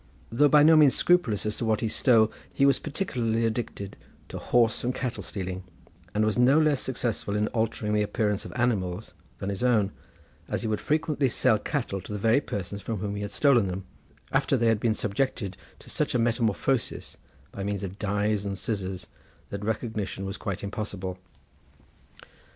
Though by no means scrupulous as to what he stole, he was particularly addicted to horse and cattle stealing, and was no less successful in altering the appearance of animals than his own, as he would frequently sell cattle to the very persons from whom he had stolen them, after they had been subject to such a metamorphosis, by means of dyes and the scissors, that recognition was quite impossible.